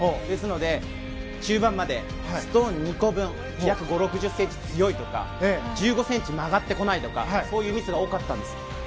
ですので、中盤までストーン２個分約５０６０ｃｍ強いとか１５ｃｍ曲がってこないとかそういうミスが多かったんです。